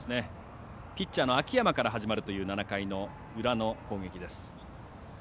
ピッチャーの秋山から始まるという７回の裏の攻撃です。